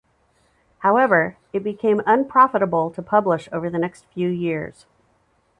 However, it became unprofitable to publish over the next few years.